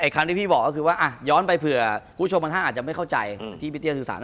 ครั้งที่พี่บอกก็คือว่าย้อนไปเผื่อคุณผู้ชมบางท่านอาจจะไม่เข้าใจที่พี่เตี้ยสื่อสาร